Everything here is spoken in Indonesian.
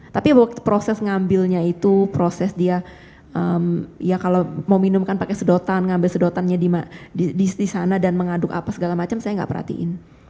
tapi waktu proses ngambilnya itu proses dia ya kalau mau minum kan pakai sedotan ngambil sedotannya di sana dan mengaduk apa segala macam saya gak perhatiin